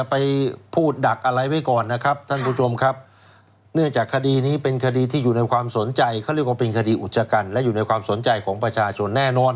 วิเคราะห์มาโดยตลอดถึงความคืบหน้าของคดีวันนี้คงจะได้พูดถึงเรื่องของการตัดปมประเด็นต่างรวมไปถึงหลักฐานที่พบด้วย